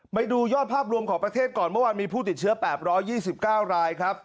ไปดูยอดภาพรวมของประเทศก่อนเมื่อวานมีผู้ติดเชื้อ๘๒๙รายครับ